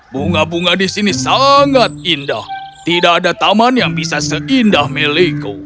bunga bunga di sini sangat indah tidak ada taman yang bisa seindah milikku